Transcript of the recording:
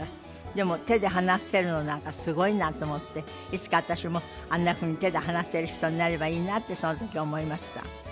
でも手で話せるのなんかすごいなと思っていつか私もあんなふうに手で話せる人になればいいなとその時思いました。